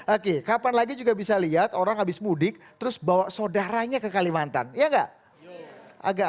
oke kapan lagi juga bisa lihat orang habis mudik terus bawa saudaranya ke kalimantan ya enggak agak